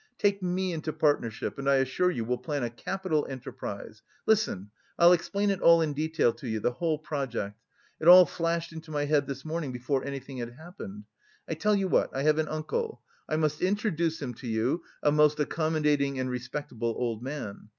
Take me into partnership, and I assure you we'll plan a capital enterprise. Listen! I'll explain it all in detail to you, the whole project! It all flashed into my head this morning, before anything had happened... I tell you what; I have an uncle, I must introduce him to you (a most accommodating and respectable old man).